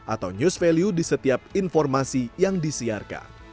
atau news value di setiap informasi yang disiarkan